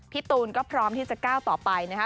ตูนก็พร้อมที่จะก้าวต่อไปนะคะ